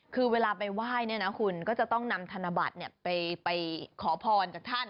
คือเวลาไปไหว้เนี่ยนะคุณก็จะต้องนำธนบัตรไปขอพรจากท่าน